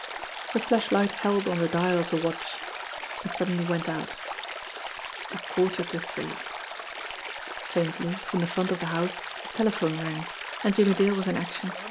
The flashlight held on the dial of the watch and suddenly went out. A quarter to three. Faintly, from the front of the house, the telephone rang and Jimmie Dale was in action.